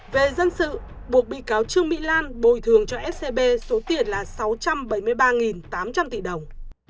về dân sự buộc bị cáo trương mỹ lan bồi thường cho scb số tiền là sáu trăm bảy mươi ba tám trăm linh tỷ đồng